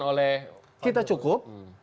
oleh kita cukup